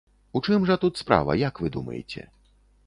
У чым жа тут справа, як вы думаеце?